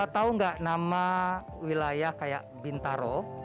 tahu nggak nama wilayah kayak bintaro